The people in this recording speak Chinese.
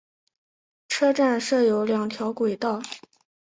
车站设有两条轨道。